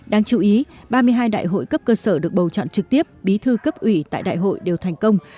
đáng chú ý ba mươi hai đại hội cấp cơ sở được bầu chọn trực tiếp bí thư cấp ủy tại đại hội đều thành công